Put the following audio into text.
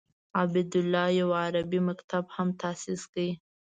عبیدالله یو عربي مکتب هم تاسیس کړ.